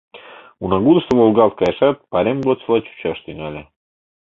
Унагудышто волгалт кайышат, пайрем годсыла чучаш тӱҥале.